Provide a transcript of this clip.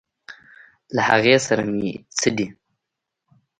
له هغې سره مې څه دي.